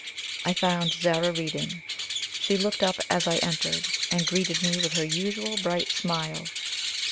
I found Zara reading. She looked up as I entered, and greeted me with her usual bright smile.